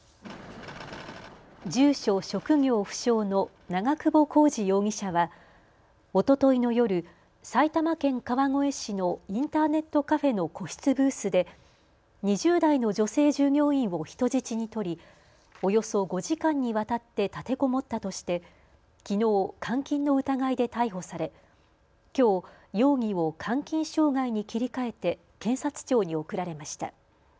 住所、職業不詳の長久保浩二容疑者はおとといの夜、埼玉県川越市のインターネットカフェの個室ブースで２０代の女性従業員を人質に取りおよそ５時間にわたって立てこもったとしてきのう監禁の疑いで逮捕されきょう、容疑を監禁傷害に切りかえて検察庁に送られました。